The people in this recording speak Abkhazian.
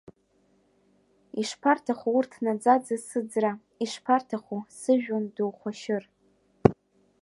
Ишԥарҭаху урҭ наӡаӡа сыӡра, ишԥарҭаху сыжәҩан ду хәашьыр!